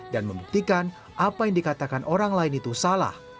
dan membuktikan apa yang dikatakan orang lain itu salah